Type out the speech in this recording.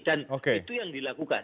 dan itu yang dilakukan